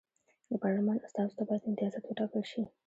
د پارلمان استازو ته باید امتیازات وټاکل شي.